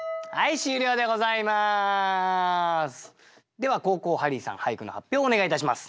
では後攻ハリーさん俳句の発表をお願いいたします。